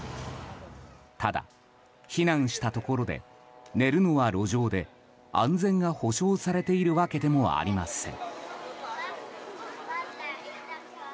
ただ、避難したところで寝るのは路上で安全が保障されているわけでもありません。